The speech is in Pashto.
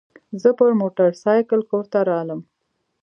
زه پر موترسایکل کور ته رالم.